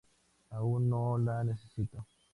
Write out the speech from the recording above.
Aún no la necesito.